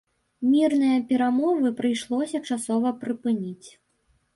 Мірныя перамовы прыйшлося часова прыпыніць.